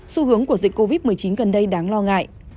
xu hướng của dịch covid một mươi chín gần đây đáng lo ngại